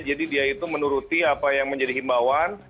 jadi dia itu menuruti apa yang menjadi himbawan